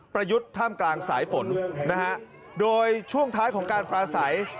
ประยุทธ์ท่ามกลางสายฝนโดยช่วงท้ายของการประสัย